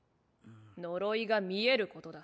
呪いが見えることだ。